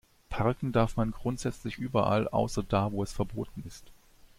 Parken darf man grundsätzlich überall, außer da, wo es verboten ist.